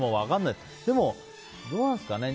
でも、どうなんですかね。